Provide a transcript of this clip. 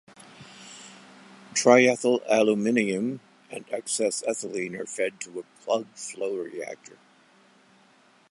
Tri-ethyl aluminium and excess ethylene are fed to a plug flow-reactor.